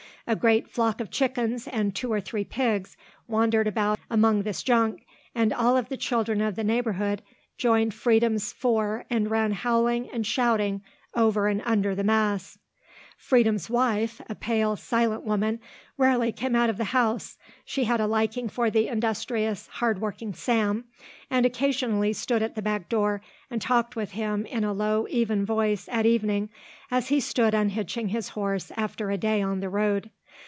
A great flock of chickens and two or three pigs wandered about among this junk and all the children of the neighbourhood joined Freedom's four and ran howling and shouting over and under the mass. Freedom's wife, a pale, silent woman, rarely came out of the house. She had a liking for the industrious, hard working Sam and occasionally stood at the back door and talked with him in a low, even voice at evening as he stood unhitching his horse after a day on the road.